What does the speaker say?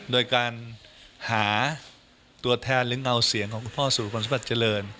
โดยการหาตัวแทนหรือเงาเสียงของคุณพ่อสู่ครอบครัวสมบัติเจริญ